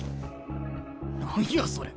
何やそれ。